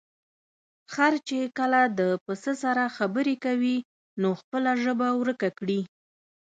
خر چې کله د پسه سره خبرې کوي، نو خپله ژبه ورکه کړي.